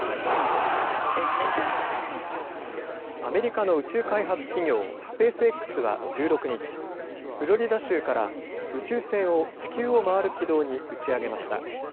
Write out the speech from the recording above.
アメリカの宇宙開発企業、スペースＸは１６日、フロリダ州から宇宙船を地球を回る軌道に打ち上げました。